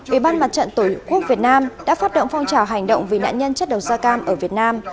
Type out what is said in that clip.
ủy ban mặt trận tổ quốc việt nam đã phát động phong trào hành động vì nạn nhân chất độc da cam ở việt nam